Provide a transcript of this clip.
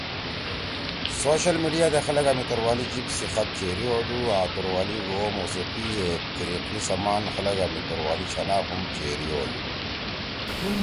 سوشل میڈیا دے خلگا می توروالی جیِب سی خط چیری ہُودُو آں توورالی ڙو او موسیقی ئے تیِریِقی سمان خلگا می توروالی شناخت ہُم چیری ہُودُو۔